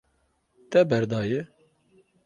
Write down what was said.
Te berdaye.